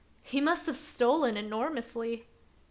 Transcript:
" He must have stolen enormously."